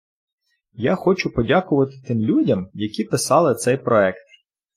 Я хочу подякувати тим людям, які писали цей проект.